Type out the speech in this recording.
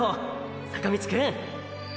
坂道くん！！